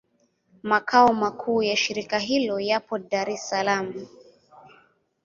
Makao makuu ya shirika hilo yapo Dar es Salaam.